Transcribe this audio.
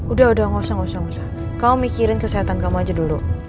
udah udah gak usah gak usah gak usah kamu mikirin kesehatan kamu aja dulu